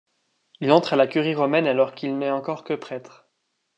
Il entre à la curie romaine alors qu'il n'est encore que prêtre.